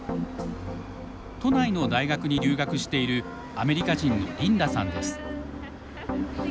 都内の大学に留学しているアメリカ人のリンダさんです。